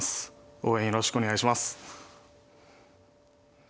応援よろしくお願いします。